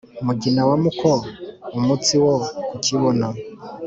Mugina ni uwa Muko-Umutsi wo ku kibuno.